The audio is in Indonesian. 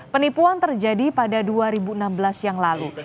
penipuan terjadi pada dua ribu enam belas yang lalu